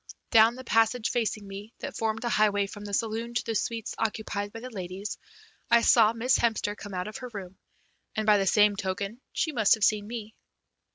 Down the passage facing me, that formed a highway from the saloon to the suites occupied by the ladies, I saw Miss Hemster come out of her room, and, by the same token, she must have seen me.